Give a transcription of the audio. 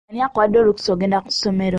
Ani akuwadde olukusa okugenda ku ssomero?